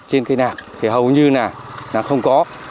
trên cây lạc thì hầu như lạc không có